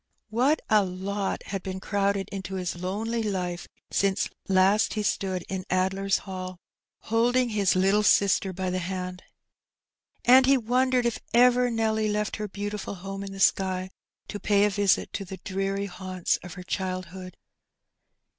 What a lot had been crowded into his lonely life since last he stood in Addler's Hall^ holding his little sister by the hand! And he wondered if ever Nelly left her beautiful home in the sky to pay a visit to the dreary haunts of her childhood.